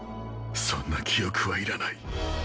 そんな記憶はいらない。